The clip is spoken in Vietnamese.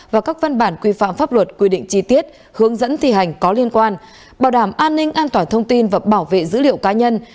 và các văn bản quy phạm pháp luật quy định chi tiết hướng dẫn thi hành có liên quan bảo đảm an ninh an toàn thông tin và bảo vệ dữ liệu cá nhân